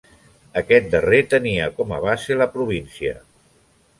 Aquest darrer tenia com a base la província.